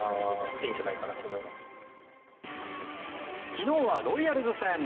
昨日はロイヤルズ戦。